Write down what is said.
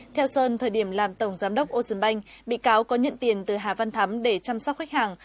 theo sơn thời điểm làm tổng giám đốc ocean bank bị cáo có nhận tiền từ hà văn thắm để chăm sóc khách hàng